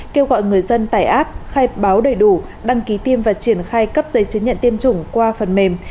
kêu gọi người dân tải app khai báo đầy đủ đăng ký tiêm và triển khai cấp giấy chứng nhận tiêm chủng qua phần mềm